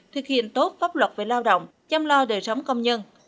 thực hiện tốt pháp luật về lao động chăm lo đời sống công nhân